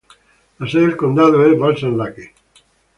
La sede del condado es Balsam Lake.